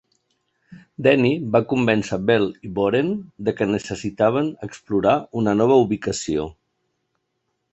Denny va convèncer Bell i Boren de què necessitaven explorar una nova ubicació.